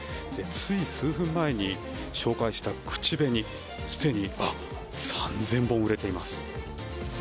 つい数分前に紹介した口紅すでに３０００本売れています。